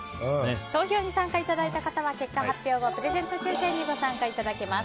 投票に参加いただいた方には結果発表後プレゼント抽選にご参加いただけます。